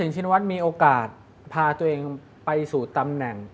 จะมีโอกาสพาตัวเองไปสู่ตำแหน่ง